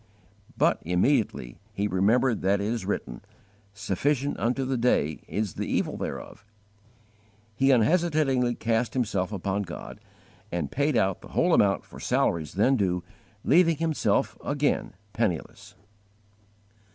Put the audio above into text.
But immediately he remembered that it is written: "SUFFICIENT UNTO THE DAY is THE EVIL THEREOF."* He unhesitatingly cast himself upon God, and paid out the whole amount for salaries then due, leaving himself again penniless.